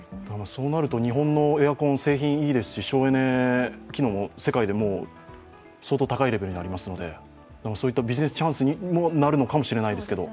そうなると日本のエアコン、製品はいいですし、省エネ機能も世界で相当高いレベルにありますのでそういったビジネスチャンスにもなるのかもしれないですけど。